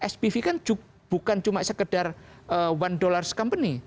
spv kan bukan cuma sekedar one dolar company